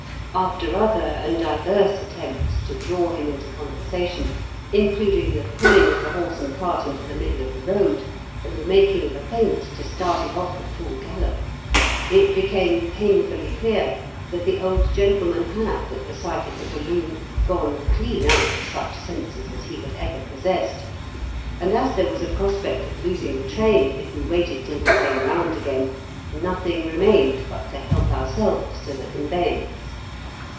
After other and diverse attempts to draw him into conversation, including the pulling of the horse and cart into the middle of the road, and the making of a feint to start it off at full gallop, it became painfully clear that the old gentleman had, at sight of the balloon, gone clean out of such senses as he had ever possessed, and as there was a prospect of losing the train if we waited till he came round again, nothing remained but to help ourselves to the conveyance.